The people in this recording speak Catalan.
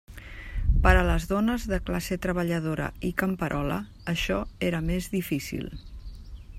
Per a les dones de classe treballadora i camperola això era més difícil.